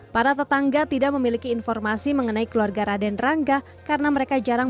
para tetangga tidak memiliki informasi mengenai keluarga raden rangga karena mereka jarang